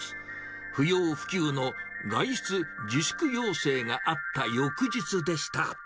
不要不急の外出自粛要請があった翌日でした。